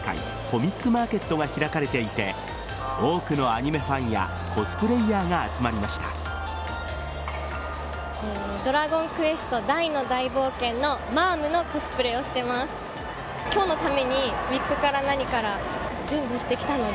コミックマーケットが開かれていて多くのアニメファンやコスプレイヤーが集まりました。